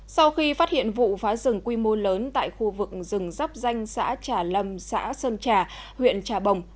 sau khi phát hiện vụ phá rừng quy mô lớn tại khu vực rừng dắp danh xã trà lâm xã sơn trà huyện trà bồng